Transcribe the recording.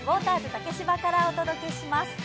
竹芝からお届けします。